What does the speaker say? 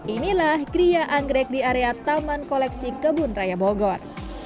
inilah gria anggrek di area taman koleksi kebun raya bogor